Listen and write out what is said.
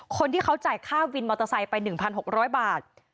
คนที่เขาจ่ายค่าวินมอเตอร์ไซค์ไป๑๖๐๐บาท